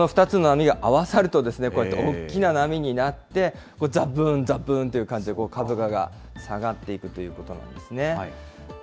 この２つの波が合わさると、こうやって大きな波になって、ざぶーん、ざぶーんという感じで株価が下がっていくということなんですね。